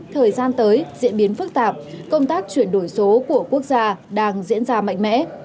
thời gian tới diễn biến phức tạp công tác chuyển đổi số của quốc gia đang diễn ra mạnh mẽ